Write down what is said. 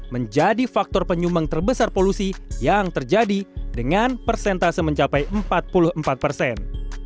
menjadi faktor penyumbang terbesar polusi yang terjadi dengan persentase mencapai empat puluh empat persen